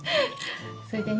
それでね